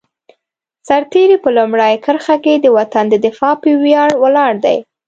سرتېری په لومړۍ کرښه کې د وطن د دفاع په ویاړ ولاړ دی.